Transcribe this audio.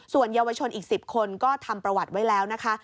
ส่วนเยาวชนอีก๑๐คนก็ทำประวัติไว้แล้วนะคะ